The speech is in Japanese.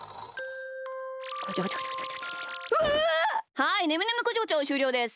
はいねむねむこちょこちょしゅうりょうです。